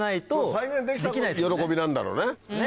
再現できたぞっていう喜びなんだろうね。